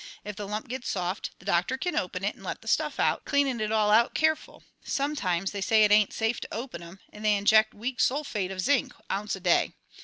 If the lump gets soft, the doctor kin open it 'nd let the stuff out, cleanin' it all out careful. Sometimes they say it ain't safe to open 'em, 'nd they inject weak sulphate of zinc ounce a day.